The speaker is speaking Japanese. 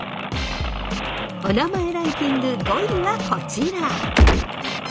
「おなまえランキング」５位はこちら！